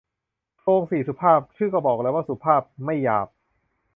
โคลงสี่สุภาพ ชื่อก็บอกแล้วว่าสุภาพ ไม่หยาบ